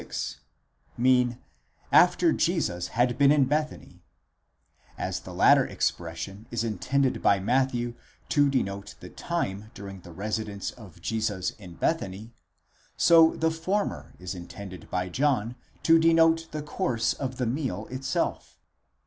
6) mean: after Jesus had been in Bethany: as the latter expression is intended by Matthew to denote the time during the residence of Jesus in Bethany, so the former is intended by John to denote the course of the meal itself.!